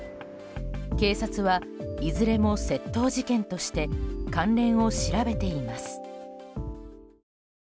警察はいずれも窃盗事件として関連を調べています。